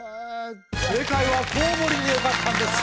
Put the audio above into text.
正解は「コウモリ」でよかったんです